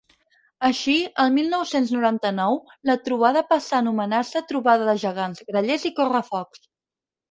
Així, el mil nou-cents noranta-nou la trobada passà a anomenar-se Trobada de Gegants, Grallers i Correfocs.